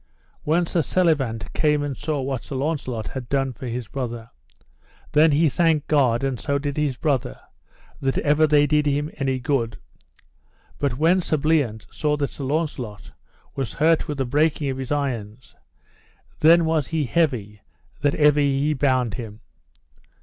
When Sir Selivant came and saw what Sir Launcelot had done for his brother, then he thanked God, and so did his brother, that ever they did him any good. But when Sir Bliant saw that Sir Launcelot was hurt with the breaking of his irons, then was he heavy that ever he bound him.